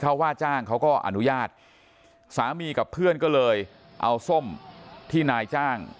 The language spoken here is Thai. เขาว่าจ้างเขาก็อนุญาตสามีกับเพื่อนก็เลยเอาส้มที่นายจ้าง